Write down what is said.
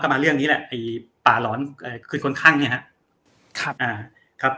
มาเรื่องนี้แหละไอ้ป่าหลอนคือคนข้างเนี่ยครับอ่าครับ